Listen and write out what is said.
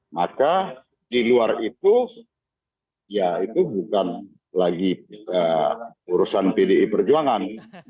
maka di luar itu ya itu bukan lagi urusan pdi perjuangan